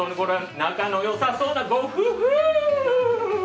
仲のよさそうなご夫婦！